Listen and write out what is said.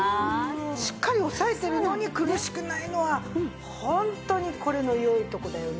しっかりおさえてるのに苦しくないのはホントにこれの良いとこだよね。